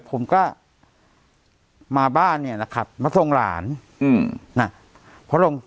ผมก็มาบ้านเนี่ยนะครับมาทรงหลาน